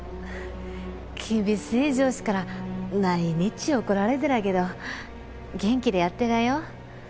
厳しい上司から毎日怒られてらけど元気でやってらよ。